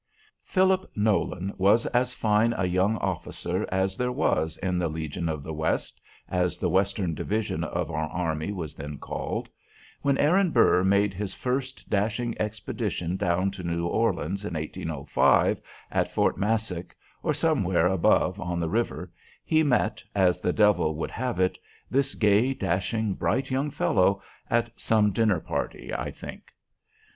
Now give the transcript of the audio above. PHILIP NOLAN was as fine a young officer as there was in the "Legion of the West," as the Western division of our army was then called. When Aaron Burr [Note 5] made his first dashing expedition down to New Orleans in 1805, at Fort Massac, or somewhere above on the river, he met, as the Devil would have it, this gay, dashing, bright young fellow; at some dinner party, I think.